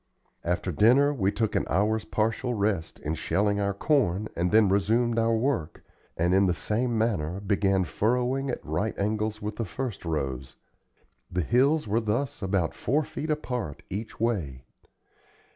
After dinner we took an hour's partial rest in shelling our corn and then resumed our work, and in the same manner began furrowing at right angles with the first rows. The hills were thus about four feet apart each way.